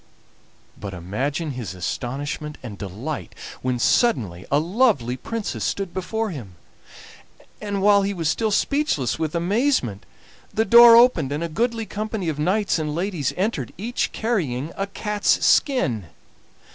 But imagine his astonishment and delight when suddenly a lovely princess stood before him, and, while he was still speechless with amazement, the door opened and a goodly company of knights and ladies entered, each carrying a cat's skin!